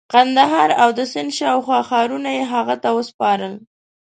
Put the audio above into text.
قندهار او د سند شاوخوا ښارونه یې هغه ته وسپارل.